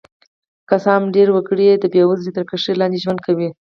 که څه هم ډېری وګړي یې د بېوزلۍ تر کرښې لاندې ژوند کوي.